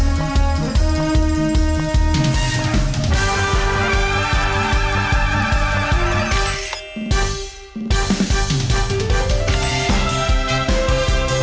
นับหนุนโดย